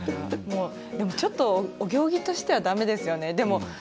でもちょっとお行儀としてはだめですよね。